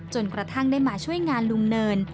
จนกระทั่งได้มาช่วยงานลุงเนิน